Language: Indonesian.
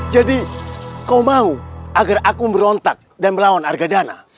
jadi kau mau agar aku merontak dan melawan argadana